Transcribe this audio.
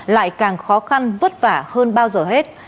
lại càng khó khăn vất vả hơn bao giờ hết